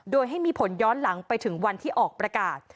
โดยให้มีผลย้อนหลังไปถึงวันที่ออกประกาศ